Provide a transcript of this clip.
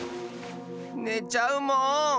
ねちゃうもん。